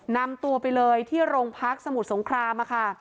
นำตัวไปเลยที่โรงพักสมุทรสงครามค่ะ